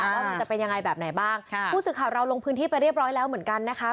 ว่ามันจะเป็นยังไงแบบไหนบ้างค่ะผู้สื่อข่าวเราลงพื้นที่ไปเรียบร้อยแล้วเหมือนกันนะคะ